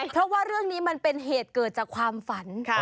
เพราะว่าเรื่องนี้มันเป็นเหตุเกิดจากความฝัน